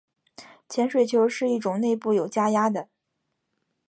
潜水球是一种内部有加压的。